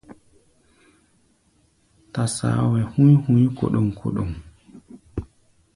Tasaoʼɛ húí hui kóɗóŋ-kóɗóŋ.